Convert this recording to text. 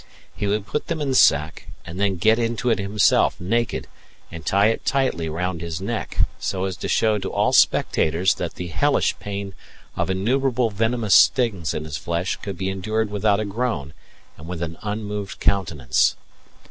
He would put them in the sack, and then get into it himself naked, and tie it tightly round his neck, so as to show to all spectators that the hellish pain of innumerable venomous stings in his flesh could be endured without a groan and with an unmoved countenance.